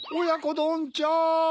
どんちゃん！